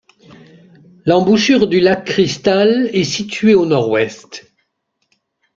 L'embouchure du lac Crystal est située au nord-ouest.